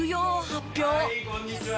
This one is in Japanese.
はいこんにちは。